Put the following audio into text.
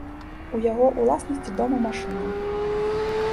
У яго ўласнасці дом і машына.